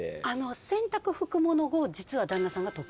洗濯服ものを実は旦那さんが得意で。